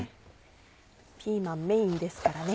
ピーマンメインですからね。